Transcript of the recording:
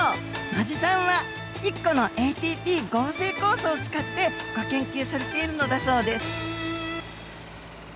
野地さんは１個のＡＴＰ合成酵素を使ってギョ研究されているのだそうです。